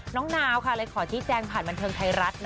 น้องนาวค่ะเลยขอที่แจงผ่านบันเทิงไทยรัฐนะ